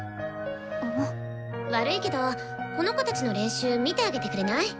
悪いけどこの子たちの練習見てあげてくれない？